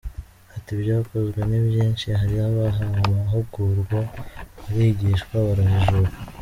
Ati “Ibyakozwe ni byinshi, hari abahawe amahugurwa barigishwa barajijuka.